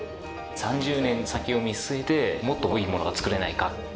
３０年先を見据えてもっといいものが作れないか。